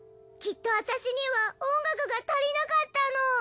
きっと私には音楽が足りなかったの。